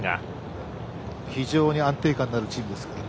非常に安定感のあるチームです。